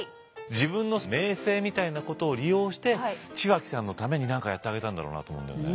自分の名声みたいなことを利用して血脇さんのために何かやってあげたんだろうなと思うんだよね。